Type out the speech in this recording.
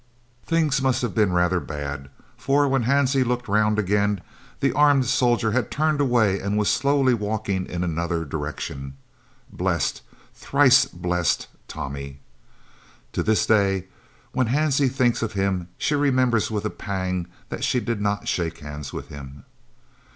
Things must have been rather bad, for when Hansie looked round again the armed soldier had turned away and was slowly walking in another direction. Blessed, thrice blessed Tommy! To this day when Hansie thinks of him she remembers with a pang that she did not shake hands with him.